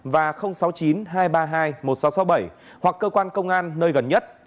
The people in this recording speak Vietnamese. và sáu mươi chín hai trăm ba mươi hai một nghìn sáu trăm sáu mươi bảy hoặc cơ quan công an nơi gần nhất